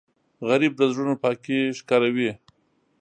غریب د زړونو پاکی ښکاروي